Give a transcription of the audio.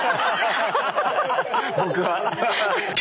僕は。